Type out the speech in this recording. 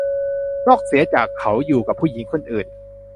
นอกเสียจากเขาอยู่กับผู้หญิงคนอื่น